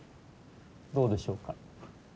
どうでしょうか。